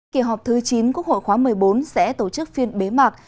kỳ họp thứ chín quốc hội khóa một mươi bốn sẽ tổ chức phiên bế mạc